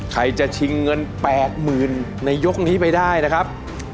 ใครจะชิงเงิน๘๐๐๐ในยกนี้ไปได้นะครับ